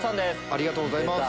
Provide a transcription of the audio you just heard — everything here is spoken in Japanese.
ありがとうございます。